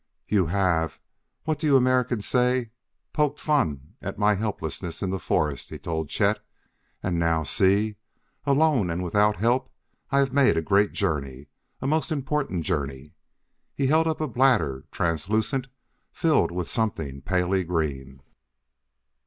"You have what do you Americans say? 'poked fun' at my helplessness in the forest," he told Chet. "And now see. Alone and without help I have made a great journey, a most important journey." He held up a bladder, translucent, filled with something palely green.